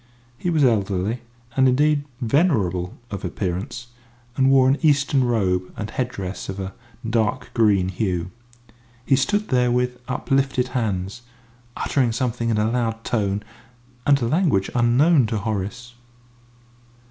He was elderly, and, indeed, venerable of appearance, and wore an Eastern robe and head dress of a dark green hue. He stood there with uplifted hands, uttering something in a loud tone and a language unknown to Horace.